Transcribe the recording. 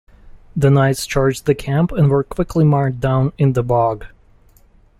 The knights charged the camp, and were quickly mired down in the bog.